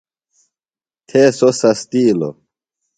تھے سوۡ سستِیلوۡ۔